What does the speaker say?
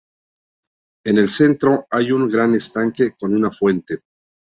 En el centro hay un gran estanque con una fuente.